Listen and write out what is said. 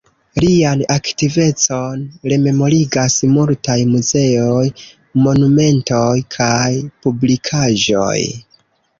Lian aktivecon rememorigas multaj muzeoj, monumentoj kaj publikaĵoj.